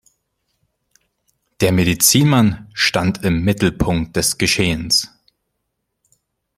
Der Medizinmann stand im Mittelpunkt des Geschehens.